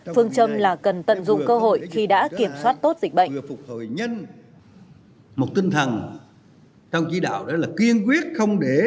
phương châm là cần tận dụng cơ hội khi đã kiểm soát tốt dịch bệnh